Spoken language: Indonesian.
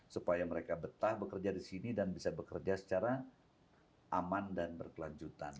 supaya mereka betah bekerja di sini dan bisa bekerja secara aman dan berkelanjutan